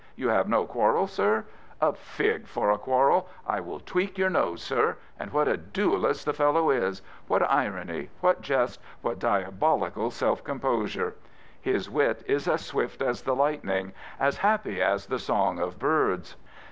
You have no quarrel, sir? A fig for a quarrel I I will tweak your nose, sir! And what a duellist the fellow isl What irony, what jest, what diabolic^ self composure I JJis wit is as swif t as the lightning, as happy as the song of birds.